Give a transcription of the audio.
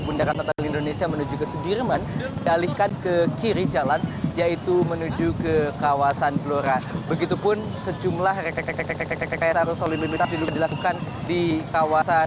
pada hari ini saya akan menunjukkan kepada anda